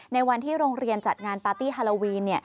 ในวันที่โรงเรียนจัดงานปาร์ตี้ฮาโลวีน